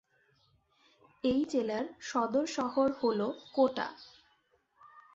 এই জেলার সদর শহর হল কোটা।